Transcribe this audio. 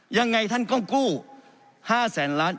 ยังไงท่านก็กู้๕แสนล้าน